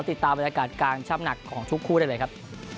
ติดตามบรรยากาศการช่ำหนักของทุกคู่ได้เลยครับ